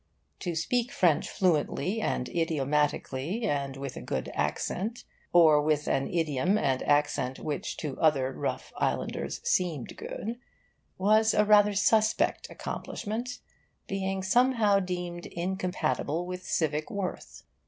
To speak French fluently and idiomatically and with a good accent or with an idiom and accent which to other rough islanders seemed good was a rather suspect accomplishment, being somehow deemed incompatible with civic worth.